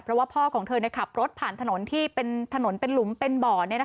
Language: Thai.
เพราะว่าพ่อของเธอขับรถผ่านถนนที่เป็นถนนเป็นหลุมเป็นบ่อ